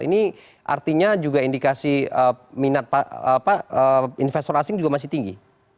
ini artinya juga indikasi minat investor asing juga masih tinggi